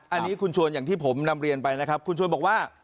อันนี้คุณชวนอย่างที่ผมนำเรียนไปนะครับคุณชวนบอกว่า